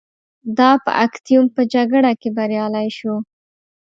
دا په اکتیوم په جګړه کې بریالی شو